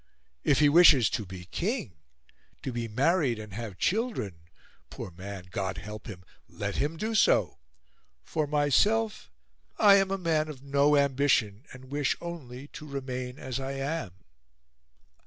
If he wishes to be king to be married and have children, poor man God help him! Let him do so. For myself I am a man of no ambition, and wish only to remain as I am...